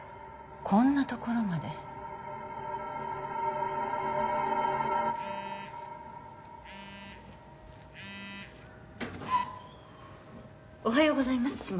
こんなところまでおはようございます